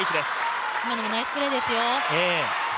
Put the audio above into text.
今のもナイスプレーですよ。